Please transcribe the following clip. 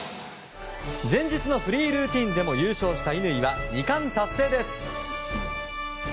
前日のフリールーティンでも優勝した乾は２冠達成です。